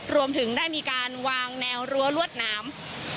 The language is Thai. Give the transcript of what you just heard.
รวมถึงได้มีการวางแนวรั้วรวดหนาม